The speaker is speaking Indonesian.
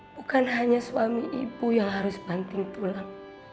bukan hanya suami ibu yang harus banting tulang